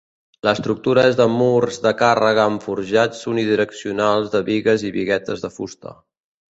L'estructura és de murs de càrrega amb forjats unidireccionals de bigues i biguetes de fusta.